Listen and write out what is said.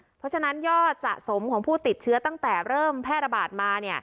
เพราะฉะนั้นยอดสะสมของผู้ติดเชื้อตั้งแต่เริ่มแพร่ระบาดมา